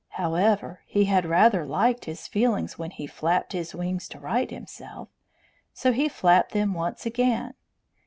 However, he had rather liked his feelings when he flapped his wings to right himself, so he flapped them once again.